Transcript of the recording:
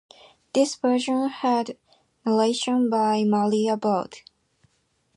This version had narration by Maria Bird.